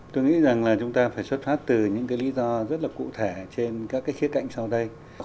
tôi nghĩ rằng là chúng ta phải xuất phát từ những lý do rất cụ thể trên các khía cạnh sau đây